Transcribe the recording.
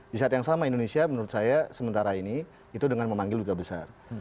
di saat yang sama indonesia menurut saya sementara ini itu dengan memanggil duta besar